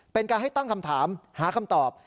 เป็นการให้ตั้งคำถามหาคำตอบ